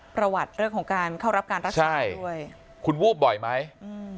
ประวัติเรื่องของการเข้ารับการรักษาด้วยคุณวูบบ่อยไหมอืม